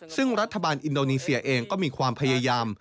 ซึ่งรัฐบาลอินโดนีเซียเองก็มีความพยายาม